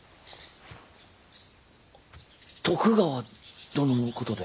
徳川殿のことで？